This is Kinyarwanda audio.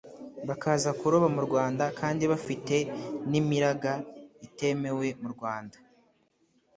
bakaza kuroba mu Rwanda kandi bafite n’imiraga itemewe mu Rwanda